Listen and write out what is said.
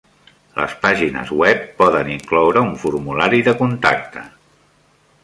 Les pàgines web poden incloure un formulari de contacte.